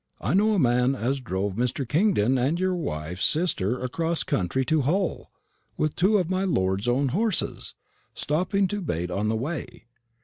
I know a man as drove Mr. Kingdon and your wife's sister across country to Hull with two of my lord's own horses, stopping to bait on the way.